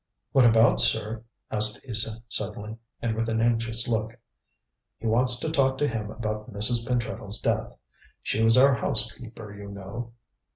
"What about, sir?" asked Isa suddenly, and with an anxious look. "He wants to talk to him about Mrs. Pentreddle's death. She was our housekeeper, you know."